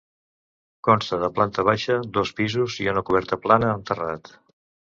Consta de planta baixa, dos pisos i una coberta plana amb terrat.